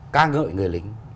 ca ngợi người lính